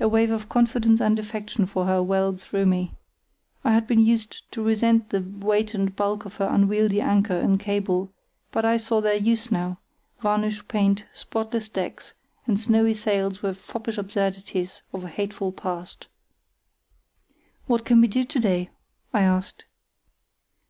A wave of confidence and affection for her welled through me. I had been used to resent the weight and bulk of her unwieldy anchor and cable, but I saw their use now; varnish, paint, spotless decks, and snowy sails were foppish absurdities of a hateful past. "What can we do to day?" I asked.